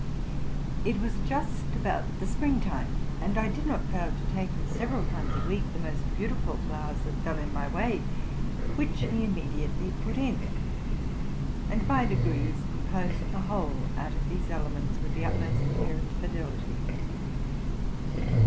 It was just about the spring time ; and I did not fail to take him several times a week the most beau tiful flowers that fell in my way, which he immediately put in, and by degrees composed the whole out of these elements with the utmost care and fidelity.